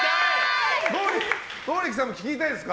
剛力さんも聴きたいですか？